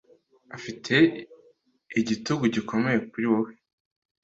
Afite igitugu gikomeye kuri wewe.